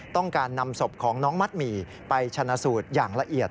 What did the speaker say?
นำศพของน้องมัดหมี่ไปชนะสูตรอย่างละเอียด